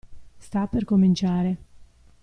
Sta per cominciare.